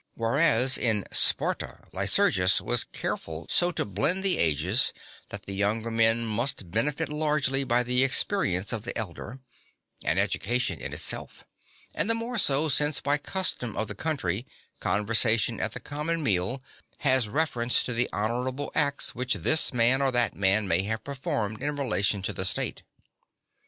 (8) Whereas in Sparta Lycurgus was careful so to blend the ages (9) that the younger men must benefit largely by the experience of the elder an education in itself, and the more so since by custom of the country conversation at the common meal has reference to the honourable acts which this man or that man may have performed in relation to the state.